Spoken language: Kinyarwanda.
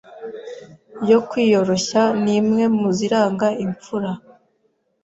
yo kwiyoroshya ni imwe mu ziranga imfura.